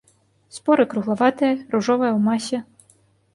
Споры круглаватыя, ружовая ў масе.